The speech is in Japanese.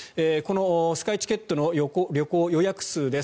スカイチケットの予約数です。